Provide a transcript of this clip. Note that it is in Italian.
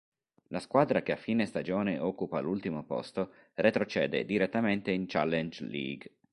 La squadra che a fine stagione occupa l'ultimo posto retrocede direttamente in Challenge League.